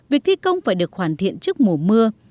việc thi công phải được hoàn thiện trước mùa mưa